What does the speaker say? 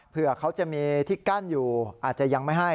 เผื่อเขาจะมีที่กั้นอยู่อาจจะยังไม่ให้